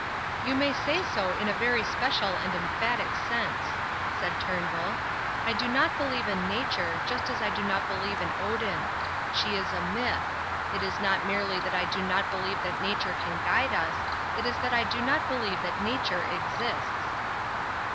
"You may say so in a very special and emphatic sense," said Turnbull. "I do not believe in nature, just as I do not believe in Odin. She is a myth. It is not merely that I do not believe that nature can guide us. It is that I do not believe that nature exists."